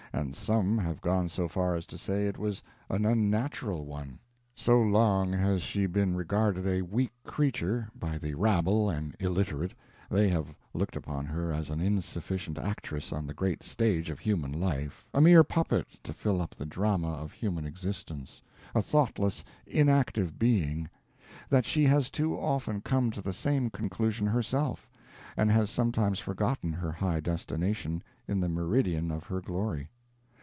and some have gone so far as to say it was an unnatural one. So long has she been regarded a weak creature, by the rabble and illiterate they have looked upon her as an insufficient actress on the great stage of human life a mere puppet, to fill up the drama of human existence a thoughtless, inactive being that she has too often come to the same conclusion herself, and has sometimes forgotten her high destination, in the meridian of her glory.